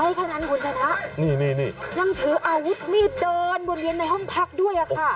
ไม่แค่นั้นคุณธนานี่นี่นี่นั่งถืออาวุธมีดเดินบนเบียนในห้องพักด้วยอ่ะค่ะโอ้